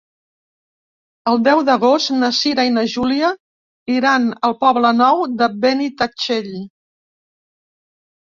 El deu d'agost na Cira i na Júlia iran al Poble Nou de Benitatxell.